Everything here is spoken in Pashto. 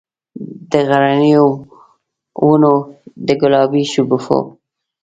د غرنیو ونو، د ګلابي شګوفو،